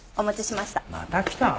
また来たの？